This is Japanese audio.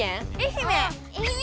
愛媛！